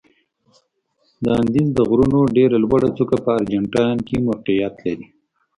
د اندیز د غرونو ډېره لوړه څوکه په ارجنتاین کې موقعیت لري.